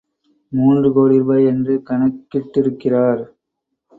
மூன்று கோடி ரூபாய் என்று கணக்கிட்டிருக்கிறார்.